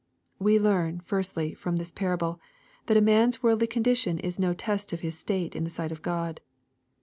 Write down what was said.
We learn, firstly, from this parable, that a marCs worldly condition is no test of his state in the sight of God.